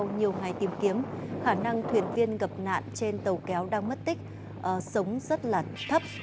nhiều ngày tìm kiếm khả năng thuyền viên gặp nạn trên tàu kéo đang mất tích sống rất là thấp